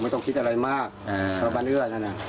ต้องคิดอะไรมากชาวบ้านเอื้อนั่นน่ะ